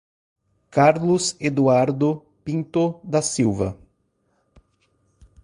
Carlos Eduardo Pinto da Silva